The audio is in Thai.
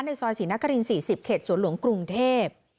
ซอยศรีนคริน๔๐เขตสวนหลวงกรุงเทพ